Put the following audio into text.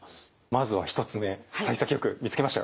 まずは１つ目さい先よく見つけましたよ。